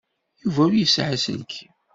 Yuba ur yesɛi aselkim.